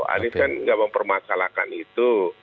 anies kan nggak mempermasalahkan itu